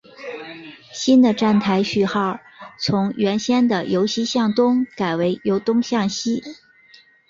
新的站台序号从原先的由西向东改为由东向西。